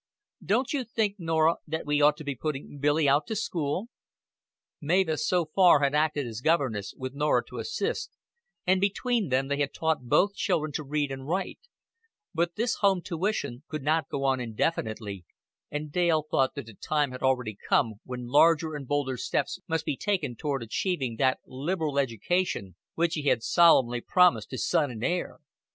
"Don't you think, Norah, that we ought to be putting Billy out to school?" Mavis so far had acted as governess, with Norah to assist, and between them they had taught both children to read and write; but this home tuition could not go on indefinitely, and Dale thought that the time had already come when larger and bolder steps must be taken toward achieving that liberal education which he had solemnly promised his son and heir.